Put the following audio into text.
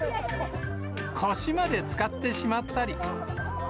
腰までつかってしまったり。